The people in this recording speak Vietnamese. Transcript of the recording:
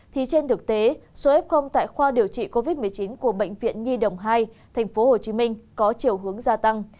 thì trên thực tế số f tại khoa điều trị covid một mươi chín của bệnh viện nhi đồng hai thành phố hồ chí minh có chiều hướng gia tăng